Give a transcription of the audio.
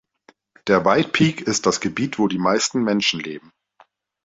Der White Peak ist das Gebiet, wo die meisten Menschen leben.